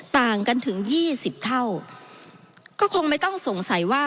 ต่างกันถึงยี่สิบเท่าก็คงไม่ต้องสงสัยว่า